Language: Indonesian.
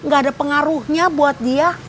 gak ada pengaruhnya buat dia